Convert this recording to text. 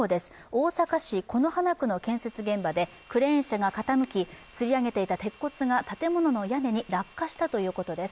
大阪市此花区の建設現場でクレーン車が傾き、つり上げていた鉄骨が建物の屋根に落下したということです。